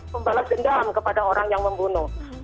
membalas dendam kepada orang yang membunuh